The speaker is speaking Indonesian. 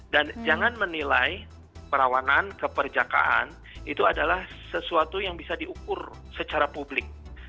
dan jangan menilai perawanan keperjakaan itu adalah sesuatu yang bisa diukur secara publik